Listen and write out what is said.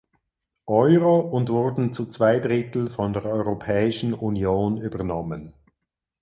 Euro und wurden zu zwei Drittel von der Europäischen Union übernommen.